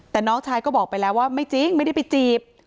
แต่น้องชายก็บอกไปแล้วว่าไม่จริงไม่ได้ไปจีบ